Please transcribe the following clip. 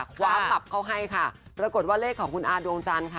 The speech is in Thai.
ความปรับเขาให้ค่ะปรากฏว่าเลขของคุณอาดวงจันทร์ค่ะ